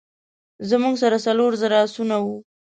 زموږ سره څلور زره آسونه وه.